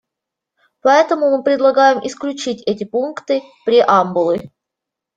Поэтому мы предлагаем исключить эти пункты преамбулы.